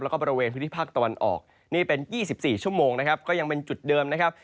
แล้วก็บริเวณพื้นที่ภาคตะวันออกนี่เป็น๒๔ชั่วโมงนะครับก็ยังเป็นจุดเดิมนะครับ